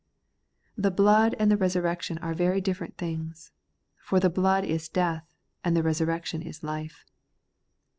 The blood and the resurrection are very different things ; for the blood is death, and the resurrection is life.